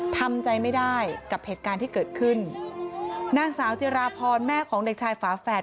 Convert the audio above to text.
ทำใจไม่ได้กับเหตุการณ์ที่เกิดขึ้นนางสาวจิราพรแม่ของเด็กชายฝาแฝด